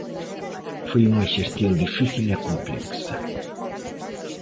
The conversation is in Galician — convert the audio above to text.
Foi unha xestión difícil e complexa.